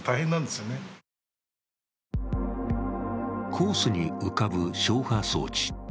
コースに浮かぶ消波装置。